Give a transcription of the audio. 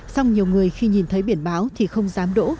xong nhiều người khi nhìn thấy biển báo thì không dám đỗ